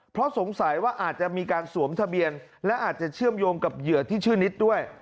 เพราะสงสัยว่าอาจจะมีการสวมทะเบียนและอาจจะเชื่อมโยงกับเหยื่อที่ชื่อนิดด้วย